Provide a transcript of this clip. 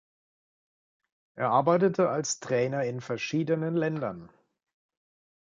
Er arbeitete als Trainer in verschiedenen Ländern.